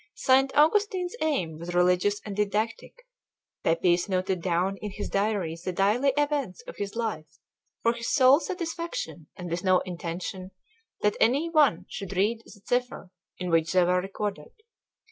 St. Augustine's aim was religious and didactic, Pepys noted down in his diary the daily events of his life for his sole satisfaction and with no intention that any one should read the cipher in which they were recorded.